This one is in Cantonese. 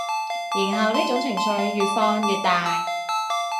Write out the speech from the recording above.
然後呢種情緒越放越大